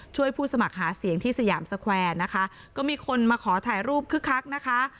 ผู้สมัครหาเสียงที่สยามสแควร์นะคะก็มีคนมาขอถ่ายรูปคึกคักนะคะ